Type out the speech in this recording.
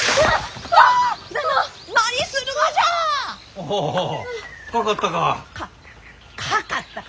おおかかったか？